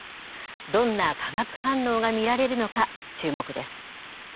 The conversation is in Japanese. どんな化学反応が見られるのか注目です。